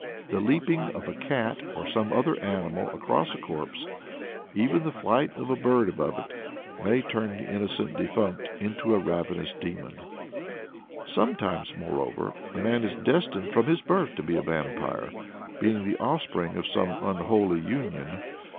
The leaping of a cat or some other animal across a corpse, even the flight of a bird above it, may turn the innocent defunct into a ravenous demon. Sometimes, moreover, a man is destined from his birth to be a vampire, being the offspring of some unholy union.